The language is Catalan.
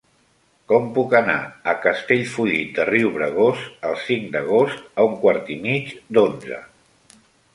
Com puc anar a Castellfollit de Riubregós el cinc d'agost a un quart i mig d'onze?